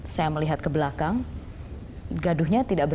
sebagian perubahan dan perubahan terakhir